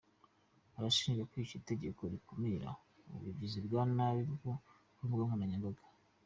Arashinjwa kwica itegeko rikumira ubugizi bwa nabi bwo ku mbuga nkoranyambaga.